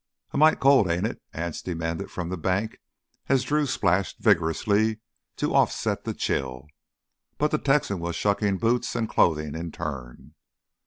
"A mite cold, ain't it?" Anse demanded from the bank as Drew splashed vigorously to offset the chill. But the Texan was shucking boots and clothing in turn.